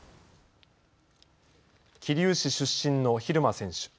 桐生市出身の蛭間選手。